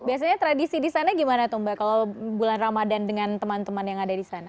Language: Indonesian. biasanya tradisi di sana gimana tuh mbak kalau bulan ramadan dengan teman teman yang ada di sana